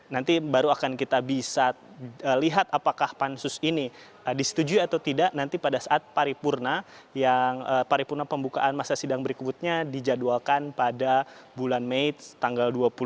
nanti baru akan kita bisa lihat apakah pansus ini disetujui atau tidak nanti pada saat paripurna yang paripurna pembukaan masa sidang berikutnya dijadwalkan pada bulan mei tanggal dua puluh